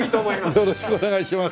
よろしくお願いします。